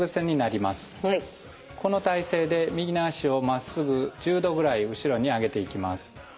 この体勢で右の脚をまっすぐ１０度ぐらい後ろに上げていきます。